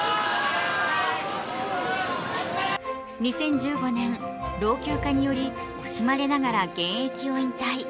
２０１５年、老朽化により惜しまれながら現役を引退。